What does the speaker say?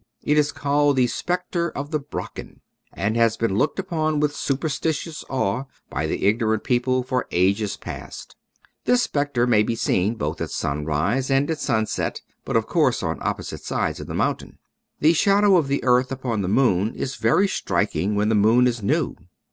It is called the " Specter of the Brocken," and has been looked upon with superstitious awe by the ignorant people for ages past. This specter may be seen both at sunrise and at sunset, but of course on opposite sides of the mountain. The shadow of the earth upon the moon is very striking when the moon is new.